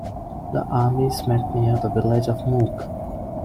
The armies met near the village of Mook.